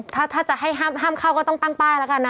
ถ้าจะให้ห้ามเข้าก็ต้องตั้งป้ายแล้วกันนะ